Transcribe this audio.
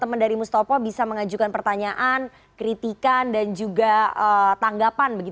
teman dari mustopo bisa mengajukan pertanyaan kritikan dan juga tanggapan